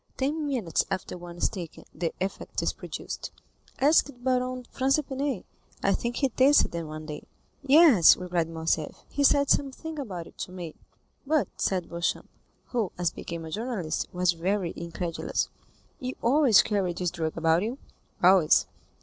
Ten minutes after one is taken, the effect is produced. Ask Baron Franz d'Épinay; I think he tasted them one day." "Yes," replied Morcerf, "he said something about it to me." "But," said Beauchamp, who, as became a journalist, was very incredulous, "you always carry this drug about you?" "Always."